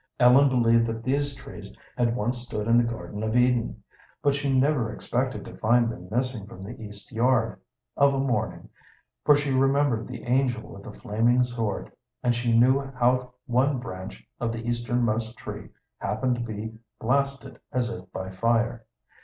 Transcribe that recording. Ellen believed that these trees had once stood in the Garden of Eden, but she never expected to find them missing from the east yard of a morning, for she remembered the angel with the flaming sword, and she knew how one branch of the easternmost tree happened to be blasted as if by fire.